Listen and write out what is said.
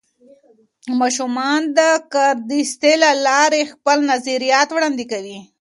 ماشومان د کاردستي له لارې خپل نظریات وړاندې کوي.